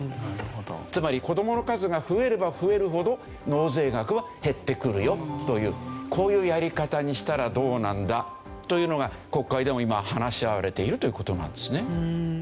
つまり子どもの数が増えれば増えるほど納税額は減ってくるよというこういうやり方にしたらどうなんだというのが国会でも今話し合われているという事なんですね。